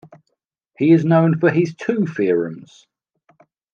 He is known for his two theorems.